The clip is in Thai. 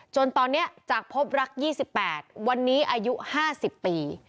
จนตอนนี้จากพบรัก๒๘วันนี้อายุ๕๐ปี